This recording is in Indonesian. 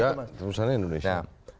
ya ada di seluruh sana indonesia